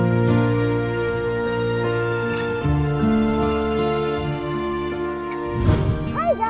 udah gitu sama sanksinya kita